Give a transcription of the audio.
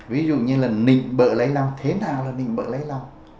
ví dụ như là nịnh bợ lấy lòng thế nào là nịnh bợ lấy lòng